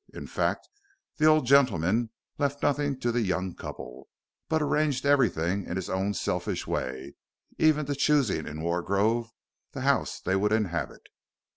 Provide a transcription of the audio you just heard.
In fact, the old gentleman left nothing to the young couple, but arranged everything in his own selfish way, even to choosing, in Wargrove, the house they would inhabit.